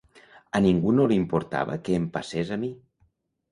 A ningú no li importava què em passés a mi.